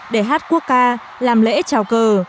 để hát quốc ca làm lễ chào cờ